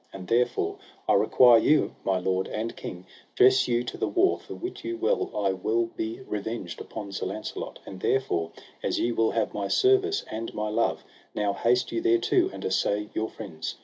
And therefore I require you, my lord and king, dress you to the war, for wit you well I will be revenged upon Sir Launcelot; and therefore, as ye will have my service and my love, now haste you thereto, and assay your friends.